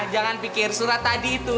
jangan pikir surat tadi itu